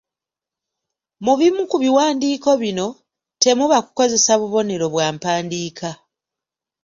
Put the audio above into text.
Mu bimu ku biwandiiko bino, temuba kukozesa bubonero bwa mpandiika.